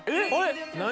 「何？